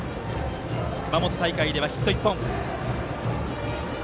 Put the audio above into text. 熊本大会ではヒット１本。